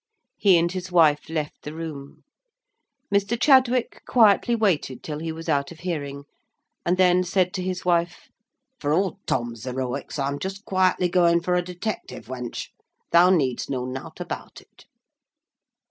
He and his wife left the room. Mr. Chadwick quietly waited till he was out of hearing, and then aid to his wife; "For all Tom's heroics, I'm just quietly going for a detective, wench. Thou need'st know nought about it."